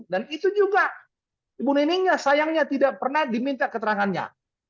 dan itu juga ibu niningnya sayangnya tidak pernah diminta keterangannya